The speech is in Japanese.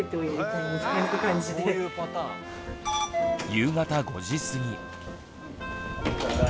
夕方５時過ぎ。